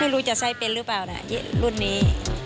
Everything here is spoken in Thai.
รู้จะไส้เป็นหรือเปล่านะรุ่นนี้